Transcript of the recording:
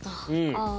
ああ。